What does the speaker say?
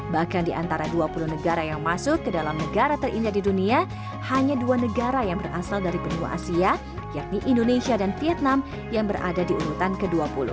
bahkan di antara dua puluh negara yang masuk ke dalam negara terindah di dunia hanya dua negara yang berasal dari benua asia yakni indonesia dan vietnam yang berada di urutan ke dua puluh